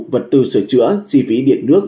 vật tư sửa chữa chi phí điện nước